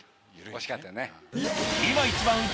惜しかったね。